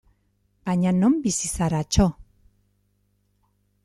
Baina non bizi gara, txo!